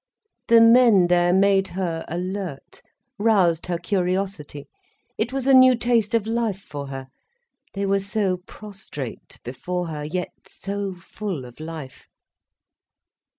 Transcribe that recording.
The men there made her alert, roused her curiosity. It was a new taste of life for her, they were so prostrate before her, yet so full of life.